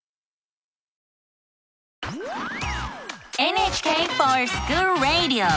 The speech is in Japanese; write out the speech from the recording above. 「ＮＨＫｆｏｒＳｃｈｏｏｌＲａｄｉｏ」！